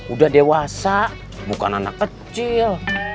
udah dewasa bukan anak kecil